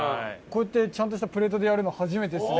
こうやってちゃんとしたプレートでやるの初めてですね。